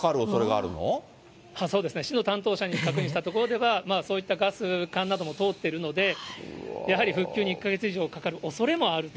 そうですね、市の担当者に確認したところでは、そういったガス管なども通っているので、やはり復旧に１か月以上かかるおそれもあると。